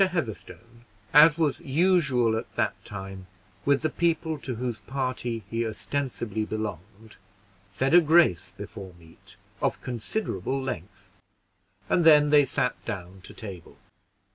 Heatherstone, as was usual at that time with the people to whose party he ostensibly belonged, said a grace before meat, of considerable length, and then they sat down to table.